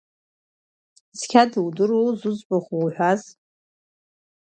Цқьа дудыруоу зыӡбахә уҳәаз?